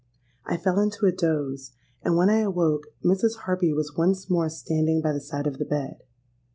I fell into a doze; and when I awoke, Mrs. Harpy was once more standing by the side of the bed.